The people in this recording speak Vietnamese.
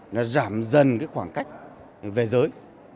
làm dần cái khoảng cách về giới